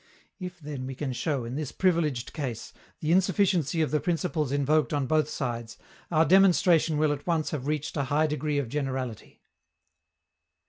If, then, we can show, in this privileged case, the insufficiency of the principles invoked on both sides, our demonstration will at once have reached a high degree of generality.